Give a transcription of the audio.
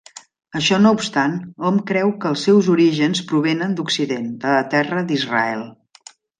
Això no obstant, hom creu que els seus orígens provenen d'Occident, de la terra d'Israel.